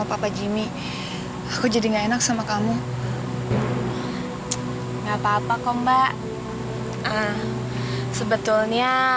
tapi ini juga terjadi karena mbak nila